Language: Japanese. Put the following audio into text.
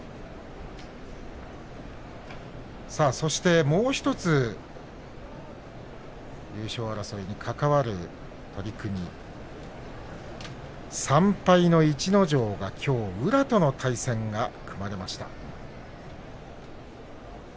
そして、もう１つ優勝争いに関わる取組３敗の逸ノ城がきょう宇良との対戦が組まれました。